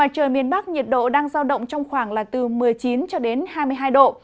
trời miền bắc nhiệt độ đang giao động trong khoảng là từ một mươi chín cho đến hai mươi hai độ